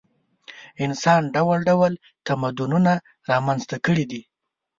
انسان ډول ډول تمدنونه رامنځته کړي دي.